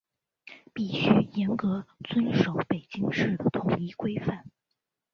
必须严格遵守北京市的统一规范